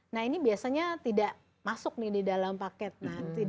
nah ini biasanya tidak masuk nih di dalam paket